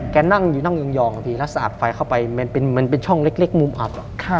นั่งอยู่นั่งยองอะพี่แล้วสะอาดไฟเข้าไปมันเป็นช่องเล็กมุมอับ